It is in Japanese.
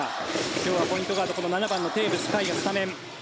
今日はポイントガード、７番のテーブス海がスタメン。